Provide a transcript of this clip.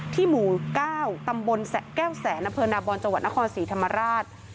ที่หมู่๙ตำบลแก้วแสนนนาบอลจนครศรีธรรมราช